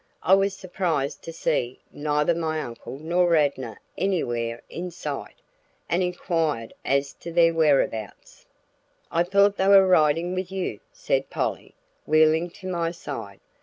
I was surprised to see neither my uncle nor Radnor anywhere in sight, and inquired as to their whereabouts. "I thought they were riding with you," said Polly, wheeling to my side.